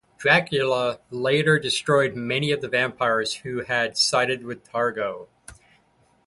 Dracula later destroyed many of the vampires who had sided with Torgo.